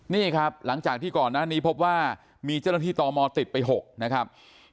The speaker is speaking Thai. นี่ครับหลังจากที่ก่อนหน้านี้พบว่ามีเจ้าหน้าที่ตมติดไป๖นะครับ